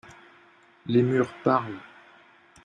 Les murs parlent.